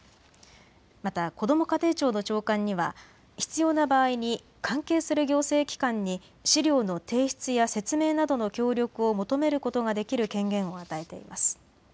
また、こども家庭庁の長官には必要な場合に関係する行政機関に資料の提出や説明などの協力を求めることができる権限を与えています。